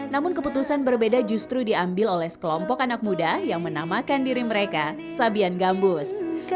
namun keputusan berbeda justru diambil oleh sekelompok anak muda yang menamakan diri mereka sabian gambus